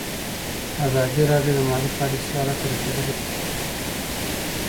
ازادي راډیو د مالي پالیسي حالت ته رسېدلي پام کړی.